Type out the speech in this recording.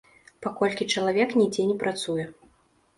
Паколькі чалавек нідзе не працуе.